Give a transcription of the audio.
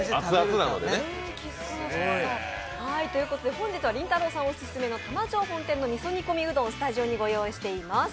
本日はりんたろーさんオススメの玉丁本店の味噌煮込みうどんスタジオにご用意しています。